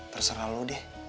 terserah lo deh